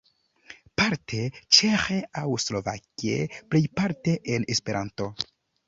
Parte ĉeĥe aŭ slovake, plejparte en Esperanto.